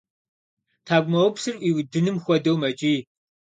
Тхьэкӏумэӏупсыр ӏуиудыным хуэдэу мэкӏий.